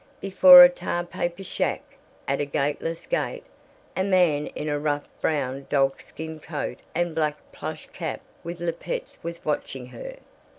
Before a tar paper shack, at a gateless gate, a man in rough brown dogskin coat and black plush cap with lappets was watching her.